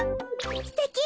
すてき！